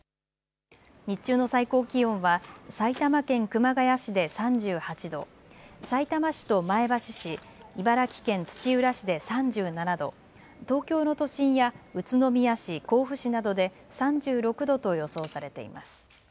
日中の最高気温は埼玉県熊谷市で３８度、さいたま市と前橋市、茨城県土浦市で３７度、東京の都心や宇都宮市、甲府市などで３６度と予想されています。